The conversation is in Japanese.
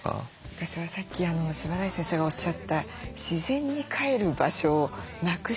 私はさっき柴内先生がおっしゃった自然にかえる場所をなくした動物犬猫。